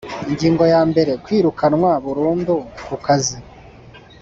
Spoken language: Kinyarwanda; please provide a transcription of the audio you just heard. Ingingo ya mbere Kwirukanwa burundu ku kazi